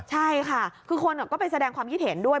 ใช่ค่ะคือคนก็ไปแสดงความคิดเห็นด้วย